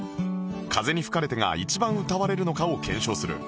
『風に吹かれて』が一番歌われるのかを検証する